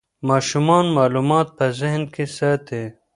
ماشومان معلومات په ذهن کې ساتي.